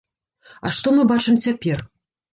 А што мы бачым цяпер?